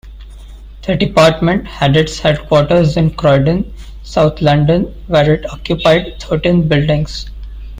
The department had its headquarters in Croydon, South London, where it occupied thirteen buildings.